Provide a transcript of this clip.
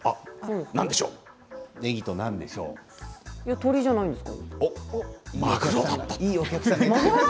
鶏じゃないんですか？